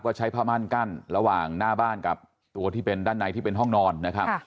ก็ใช้ผ้ามั่นกั้นระหว่างหน้าบ้านกับตัวที่เป็นด้านในที่เป็นห้องนอนนะครับ